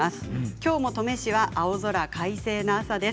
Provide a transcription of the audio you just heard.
きょうも登米市は青空快晴の朝です。